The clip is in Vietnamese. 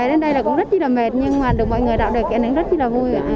về đến đây là cũng rất là mệt nhưng mà được mọi người đạo đề kiện rất là vui